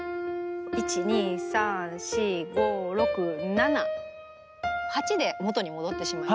１２３４５６７８で元に戻ってしまいますよね。